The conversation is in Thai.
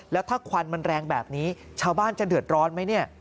แล้วถ้าควันมันแรงแบบนี้ชาวบ้านจะเดือดร้อนไหมเนี่ย